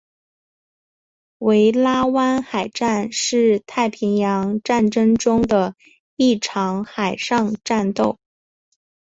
维拉湾海战是太平洋战争中的一场海上战斗。